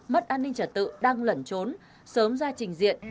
mất an ninh trả tự đang lẩn trốn sớm ra trình diện